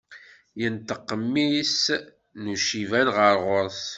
Yenṭeq mmi-s n uciban ɣer ɣur-s.